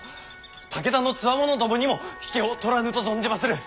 武田のつわものどもにも引けを取らぬと存じまする！